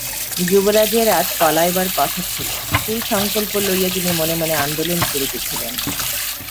যুবরাজের আজ পলাইবার কথা ছিল– সেই সংকল্প লইয়া তিনি মনে মনে আন্দোলন করিতেছিলেন।